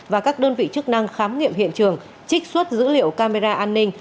và các đơn vị chức năng khám nghiệm hiện trường trích xuất dữ liệu camera an ninh